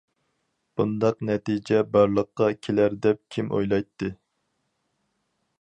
بۇنداق نەتىجە بارلىققا كېلەر دەپ كىم ئويلايتتى.